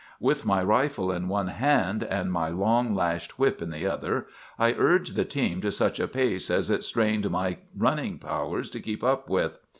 "With my rifle in one hand and my long lashed whip in the other, I urged the team to such a pace as it strained my running powers to keep up with.